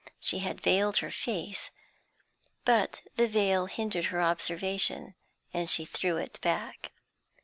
She had veiled her face, but the veil hindered her observation, and she threw it back.